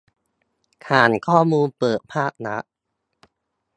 ฐานข้อมูลเปิดภาครัฐ